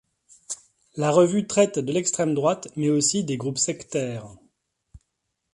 La revue traite de l'extrême droite, mais aussi des groupes sectaires.